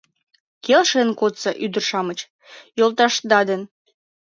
Келшен коштса, ӱдыр-шамыч, йолташда ден.